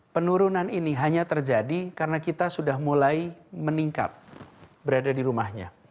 penurunan ini hanya terjadi karena kita sudah mulai meningkat berada di rumahnya